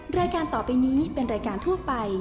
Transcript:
จำได้ทุกวัย